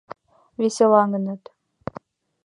Веселаҥыныт.